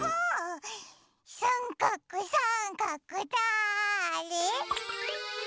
さんかくさんかくだれ？